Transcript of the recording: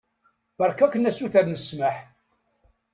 Beṛka-ken asuter n ssmaḥ.